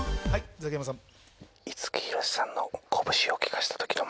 ザキヤマさん